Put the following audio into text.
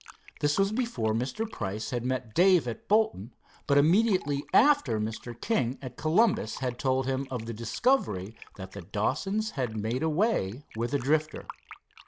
This was before Mr. Price had met Dave at Bolton, but immediately after Mr. King at Columbus had told him of the discovery that the Dawsons had made away with the Drifter.